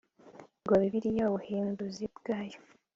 ngo bibiliya ubuhinduzi bwayo